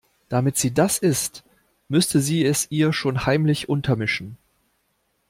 Damit sie das isst, müsste sie es ihr schon heimlich untermischen.